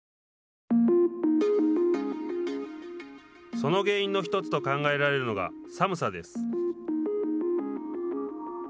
その原因の１つと考えられるのが、寒さです。